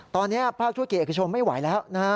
ตอนนี้ภาคช่วยเกียรติกระจายสินค้าไม่ไหวแล้วนะ